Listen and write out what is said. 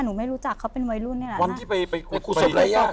หนูไม่รู้จักเขาเป็นวัยรุ่นนี่แหละวันที่ไปไปคุยศรีรยาท